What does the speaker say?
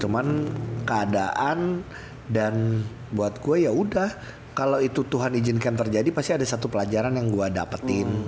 cuman keadaan dan buat gue yaudah kalau itu tuhan izinkan terjadi pasti ada satu pelajaran yang gue dapetin